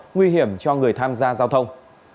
nguy hiểm cho người tham gia giao thông